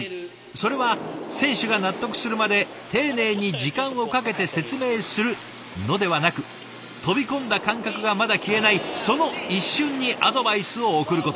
それは選手が納得するまで丁寧に時間をかけて説明するのではなく飛び込んだ感覚がまだ消えないその一瞬にアドバイスを送ること。